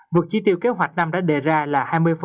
vượt chỉ tiêu kế hoạch năm đã đề ra là hai mươi